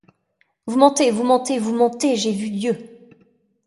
Vous mentez, vous mentez, vous mentez, j’ai vu Dieu !